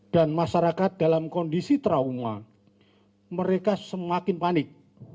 masyarakat dalam kondisi trauma mereka semakin panik